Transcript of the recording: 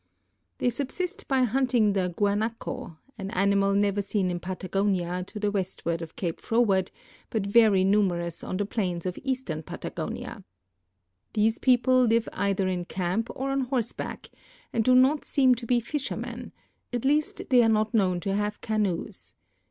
The}' subsist by hunting the guanaco, an animal never seen in Tatagonia to the westward of Cape Froward, but very numerous on the plains of Eastern Patagonia. These people live either in camp or on horseback and do not seem to be fishermen— at least they are not known to have canoes.